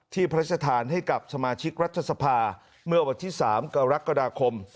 ที่พระศาธานให้กับสมาชิกรัฐธรรมศาสตร์เมื่อวันที่๓กรกฎาคม